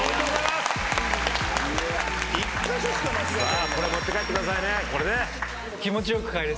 さあこれ持って帰ってくださいね。